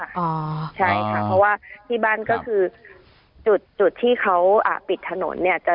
ใช่ค่ะเพราะว่าที่บ้านก็คือจุดที่เขาปิดถนนเนี่ย